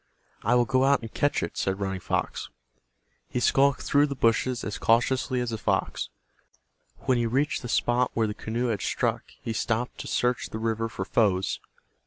"I will go out and catch it," said Running Fox. He skulked through the bushes as cautiously as a fox. When he reached the spot where the canoe had struck he stopped to search the river for foes.